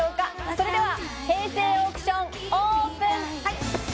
それでは平成オークション、オープン！